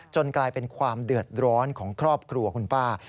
กลายเป็นความเดือดร้อนของครอบครัวคุณป้า